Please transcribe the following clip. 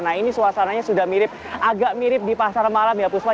nah ini suasananya sudah mirip agak mirip di pasar malam ya puspa